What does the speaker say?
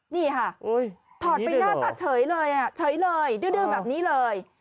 นี่ค่ะถอดไปหน้าตาเฉยเลยเฉยเลยดื้อแบบนี้เลย